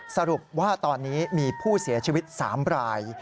สรุปว่าตอนนี้มีผู้เสียชีวิต๓ราย